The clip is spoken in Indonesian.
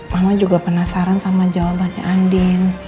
mama juga penasaran sama jawabannya andin